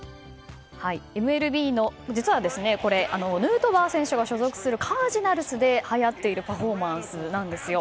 実はこれヌートバー選手が所属するカージナルスではやっているパフォーマンスなんですよ。